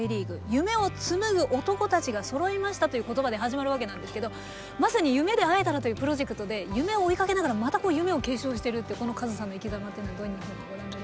夢をつむぐ男たちがそろいました」という言葉で始まるわけなんですけどまさに「夢でえたら」というプロジェクトで夢を追いかけながらまた夢を継承してるってこのカズさんの生きざまっていうのはどういうふうにご覧になりますか？